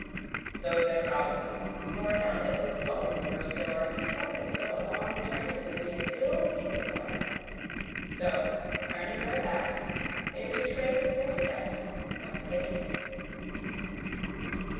So said Robin, for now that his bones were sore, he felt as though a long journey would be an ill thing for him. So, turning their backs, they retraced their steps whence they came.